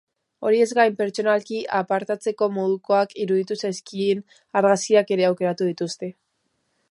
Horiez gain, pertsonalki apartatzeko modukoak iruditu zaizkien argazkiak ere aukeratu dituzte.